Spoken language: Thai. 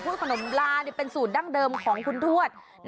ขนมลานี่เป็นสูตรดั้งเดิมของคุณทวด